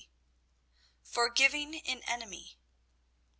FORGIVING AN ENEMY.